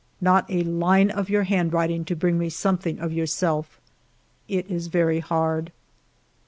Not a line of your handwriting to bring me something of your self. It is very hard."